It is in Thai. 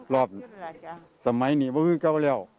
สมัยนี้ก็คือเก่าแล้ว